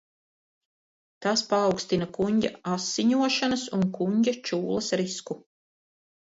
Tas paaugstina kuņģa asiņošanas un kuņģa čūlas risku.